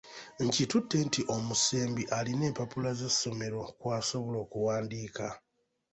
Nkitutte nti omusembi alina empappula z'essomero kw'asobola okuwandiika.